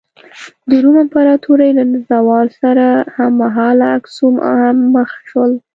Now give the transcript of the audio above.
د روم امپراتورۍ له زوال سره هممهاله اکسوم هم مخ شو.